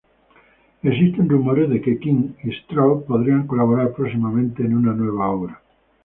Existen rumores de que King y Straub podrían colaborar próximamente en una nueva obra.